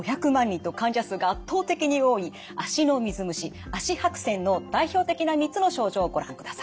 人と患者数が圧倒的に多い足の水虫足白癬の代表的な３つの症状をご覧ください。